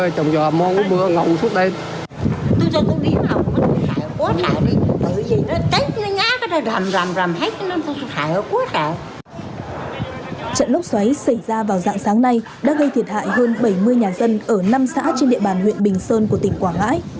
trận lốc xoáy xảy ra vào dạng sáng nay đã gây thiệt hại hơn bảy mươi nhà dân ở năm xã trên địa bàn huyện bình sơn của tỉnh quảng ngãi